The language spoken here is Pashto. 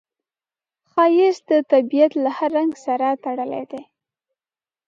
ښایست د طبیعت له هر رنګ سره تړلی دی